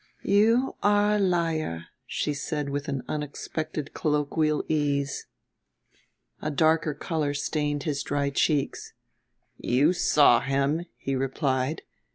"You are a liar," she said with an unexpected colloquial ease. A darker color stained his dry cheeks. "You saw him," he replied.